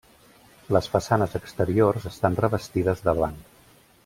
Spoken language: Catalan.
Les façanes exteriors estan revestides de blanc.